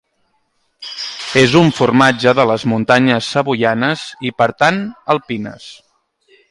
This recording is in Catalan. És un formatge de les muntanyes savoianes i per tant alpines.